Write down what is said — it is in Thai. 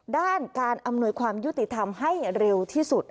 ด้านการอำนวยความยุติธรรมให้เร็วที่สุด